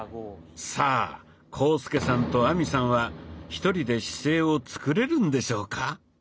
さあ浩介さんと亜美さんは１人で姿勢を作れるんでしょうか？